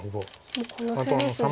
もう小ヨセですね。